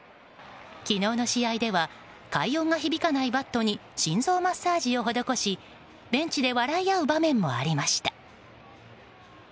昨日の試合では快音が響かないバットに心臓マッサージを施しベンチで笑い合う場面もありました。